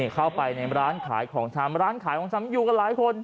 เข้าไปในร้านขายของชำร้านขายของชำอยู่กันหลายคน